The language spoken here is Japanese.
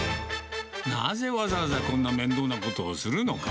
なぜわざわざこんな面倒なことをするのか。